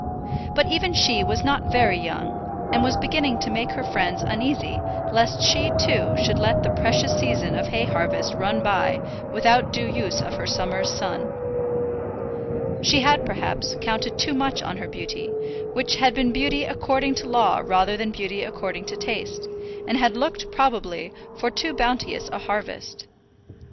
But even she was not very young, and was beginning to make her friends uneasy lest she, too, should let the precious season of hay harvest run by without due use of her summer's sun. She had, perhaps, counted too much on her beauty, which had been beauty according to law rather than beauty according to taste, and had looked, probably, for too bounteous a harvest.